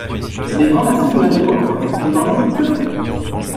Mais grand merci de l'un et de l'autre : je n'en ai que faire.